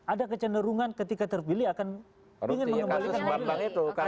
ada kecenderungan ketika terpilih akan ingin mengembalikan uang